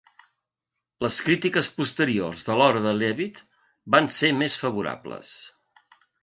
Les crítiques posteriors de l'obra de Leavitt van ser més favorables.